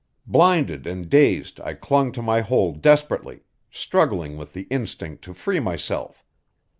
Blinded and dazed, I clung to my hold desperately, struggling with the instinct to free myself.